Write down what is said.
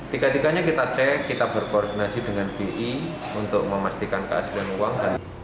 tiga tiganya kita cek kita berkoordinasi dengan bi untuk memastikan keaslian uang